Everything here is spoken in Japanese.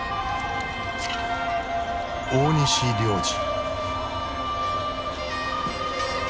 大西良治。